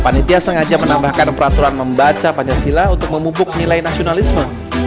panitia sengaja menambahkan peraturan membaca pancasila untuk memupuk nilai nasionalisme